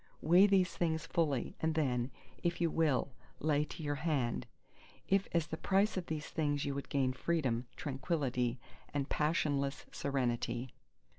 Weigh these things fully, and then, if you will, lay to your hand; if as the price of these things you would gain Freedom, Tranquillity, and passionless Serenity.